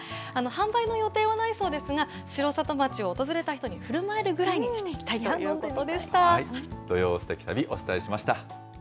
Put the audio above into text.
販売の予定はないそうですが、城里町を訪れた人にふるまえるぐらいにしていきたいということで土曜すてき旅、お伝えしました。